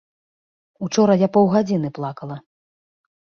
Учора я паўгадзіны плакала.